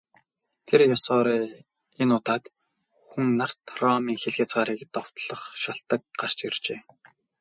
Тэр ёсоор энэ удаад Хүн нарт Ромын хил хязгаарыг довтлох шалтаг гарч иржээ.